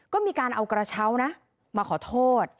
ก็มีการเอากระเช้านะมาขอโทษ